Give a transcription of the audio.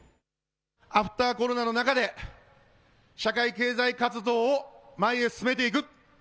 アフターコロナの中で、社会経済活動を前へ進めていく。